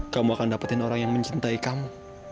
kamu akan dapetin orang yang mencintai kamu